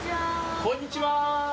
こんにちは。